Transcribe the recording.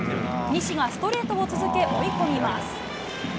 西がストレートを続け追い込みます。